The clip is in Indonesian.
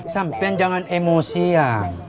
sampai jangan emosian